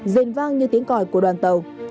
dền vang như tiếng còi của đoàn tàu